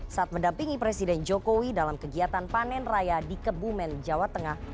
saat mendampingi presiden jokowi dalam kegiatan panen raya di kebumen jawa tengah